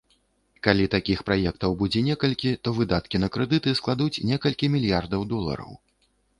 Калі такіх праектаў будзе некалькі, то выдаткі на крэдыты складуць некалькі мільярдаў долараў.